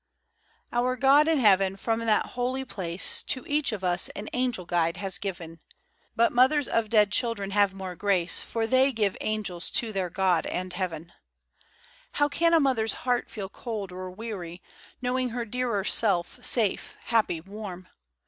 ^VUR God in Heaven, from that holy place, To each of us an Angel guide has given; But Mothers of dead children have more grace, For they give Angels to their God and Heaven. 104 FROM QUEENS' GARDENS. How can a Mother's heart feel cold or weary Knowing her dearer self safe, happy, warm